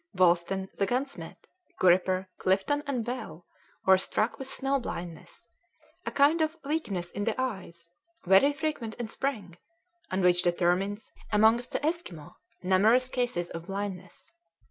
Wolsten, the gunsmith, Gripper, Clifton, and Bell were struck with snow blindness, a kind of weakness in the eyes very frequent in spring, and which determines, amongst the Esquimaux, numerous cases of blindness.